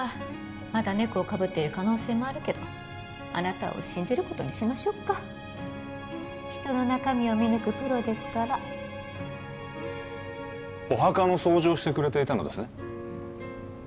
まだ猫をかぶっている可能性もあるけどあなたを信じることにしましょうか人の中身を見抜くプロですからお墓の掃除をしてくれていたのですね